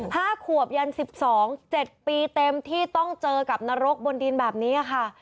ห้าขวบยันสิบสองเจ็ดปีเต็มที่ต้องเจอกับนรกบนดินแบบนี้ค่ะ